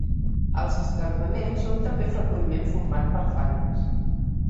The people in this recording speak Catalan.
Els escarpaments són també freqüentment format per falles.